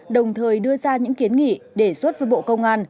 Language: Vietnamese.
đồng thời đưa ra những kiến nghị đề xuất với bộ công an